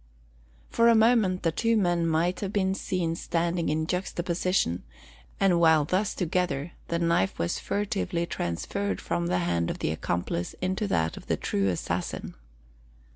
For a moment the two men might have been seen standing in juxtaposition; and while thus together the knife was furtively transferred from the hand of the accomplice into that of the true assassin.